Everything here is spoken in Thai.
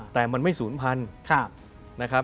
แต่มันไม่ศูนย์พันธ์